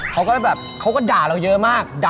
เขาคงให่เราด่าเยอะมาก